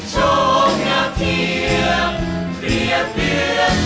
โชคงานเทียบเตรียบเพื่อ